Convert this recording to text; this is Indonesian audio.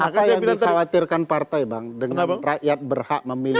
apa yang dikhawatirkan partai bang dengan rakyat berhak memilih